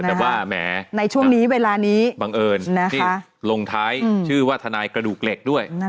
แต่ว่าแหมในช่วงนี้เวลานี้บังเอิญที่ลงท้ายชื่อว่าทนายกระดูกเหล็กด้วย